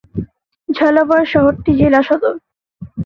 ঝালাওয়াড় শহরটি জেলা সদর।